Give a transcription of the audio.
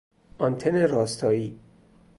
آنتن راستایی